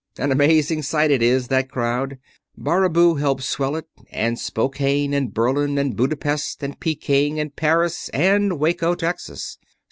An amazing sight it is that crowd. Baraboo helps swell it, and Spokane, and Berlin, and Budapest, and Pekin, and Paris, and Waco, Texas.